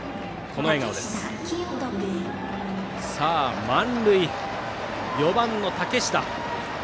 さあ、満塁で４番の竹下。